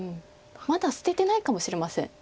まだ捨ててないかもしれません。